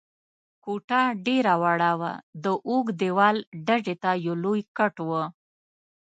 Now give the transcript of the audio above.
کوټه ډېره وړه وه، د اوږد دېوال ډډې ته یو لوی کټ و.